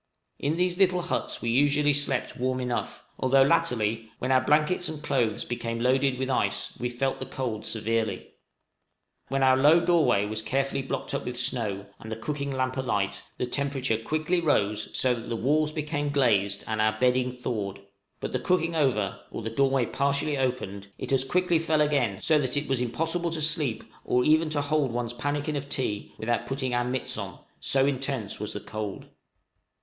In these little huts we usually slept warm enough, although latterly, when our blankets and clothes became loaded with ice, we felt the cold severely. When our low doorway was carefully blocked up with snow, and the cooking lamp alight the temperature quickly rose so that the walls became glazed, and our bedding thawed; but the cooking over, or the doorway partially opened, it as quickly fell again, so that it was impossible to sleep, or even to hold one's pannikin of tea, without putting our mitts on, so intense was the cold!